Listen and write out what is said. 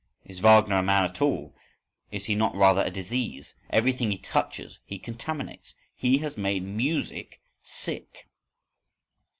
Is Wagner a man at all? Is he not rather a disease? Everything he touches he contaminates. _He has made music sick.